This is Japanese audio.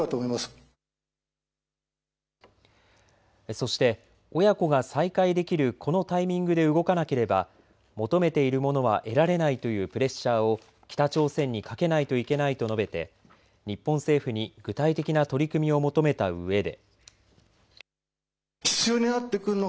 そして親子が再会できるこのタイミングで動かなければ求めているものは得られないというプレッシャーを北朝鮮にかけないといけないと述べて日本政府に具体的な取り組みを求めたうえで。